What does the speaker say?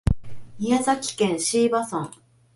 宮崎県椎葉村